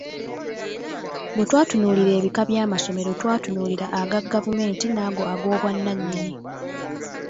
Bwe twatunuulira ebika bya masomero twatunulira aga gavumenti n’ago ag’obwanannyini.